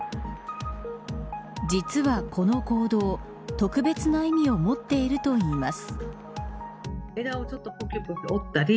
実はこの行動特別な意味を持っているといいます。